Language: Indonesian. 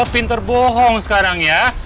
pinter bohong sekarang ya